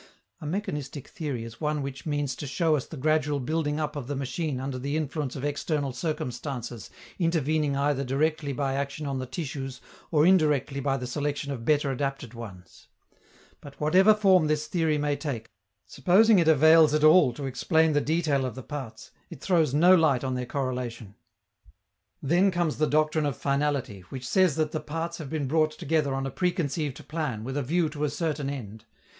A mechanistic theory is one which means to show us the gradual building up of the machine under the influence of external circumstances intervening either directly by action on the tissues or indirectly by the selection of better adapted ones. But, whatever form this theory may take, supposing it avails at all to explain the detail of the parts, it throws no light on their correlation. Then comes the doctrine of finality, which says that the parts have been brought together on a preconceived plan with a view to a certain end.